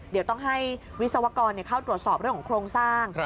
เดี๋ยวต้องให้วิศวกรเข้าตรวจสอบเรื่องของโครงสร้าง